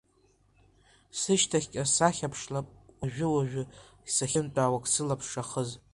Сышьҭахьҟа схьаԥшлап уажәы-уажә, сахьынтәаауагь сылаԥш ахыз.